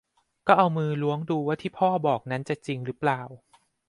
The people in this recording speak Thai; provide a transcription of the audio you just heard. ก็เอามือล้วงดูว่าที่พ่อบอกนั้นจะจริงหรือเปล่า